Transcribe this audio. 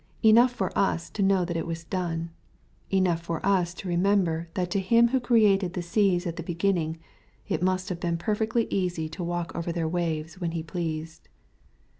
Enough for us to know that it was dona Enough for us to remember, that to Him who created the seas at the beginning, it must have been perfectly easy to walk over their waves when He pleased.